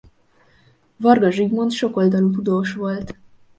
Varga Zsigmond sokoldalú tudós volt.